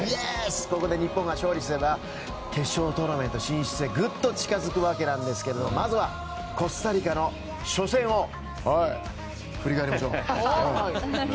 ここで日本が勝利すれば決勝トーナメント進出へぐっと近づくわけなんですけどまずはコスタリカの初戦を振り返りましょう。